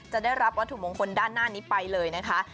ได้รับวัตถุมงคลด้านหน้านี้ไปเลยนะคะ